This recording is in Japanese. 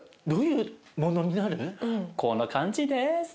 こんな感じです。